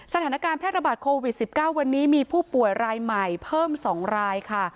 สถานการณ์แพร่ระบาดโควิด๑๙วันนี้มีผู้ป่วยรายใหม่เพิ่ม๒รายค่ะ